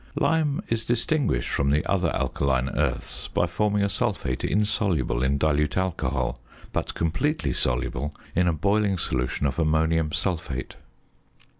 Lime is distinguished from the other alkaline earths by forming a sulphate insoluble in dilute alcohol, but completely soluble in a boiling solution of ammonium sulphate.